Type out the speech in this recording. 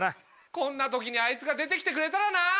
こんな時にあいつが出て来てくれたらな！